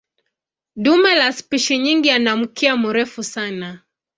Dume la spishi nyingi ana mkia mrefu sana.